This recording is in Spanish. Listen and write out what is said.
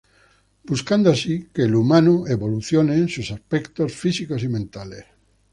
Buscando así, que el humano evolucione en sus aspectos físicos y mentales.